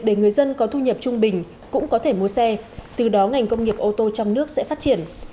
để người dân có thu nhập trung bình cũng có thể mua xe từ đó ngành công nghiệp ô tô trong nước sẽ phát triển